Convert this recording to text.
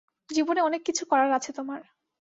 জীবনে অনেক কিছু করার আছে তোমার।